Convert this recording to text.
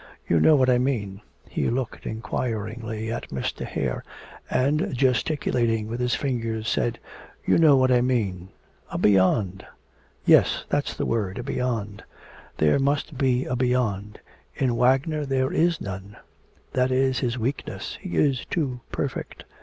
You know what I mean.' He looked inquiringly at Mr. Hare, and, gesticulating with his fingers, said, 'You know what I mean.' 'A beyond?' 'Yes; that's the word a beyond. There must be a beyond. In Wagner there is none. That is his weakness. He is too perfect.